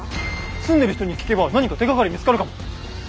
住んでる人に聞けば何か手がかり見つかるかも。